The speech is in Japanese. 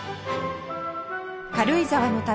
軽井沢の旅